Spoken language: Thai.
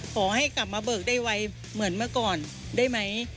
ขอให้กลับมาเบิกได้ไวเหมือนเมื่อก่อนได้ไหม